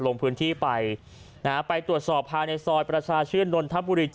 ลงพื้นที่ไปไปตรวจสอบภายในซอยประชาชื่นนทบุรี๗